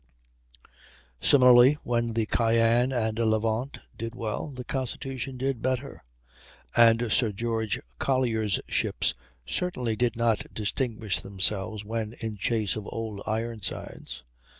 Similarly, while the Cyane and Levant did well, the Constitution did better; and Sir George Collier's ships certainly did not distinguish themselves when in chase of Old Ironsides.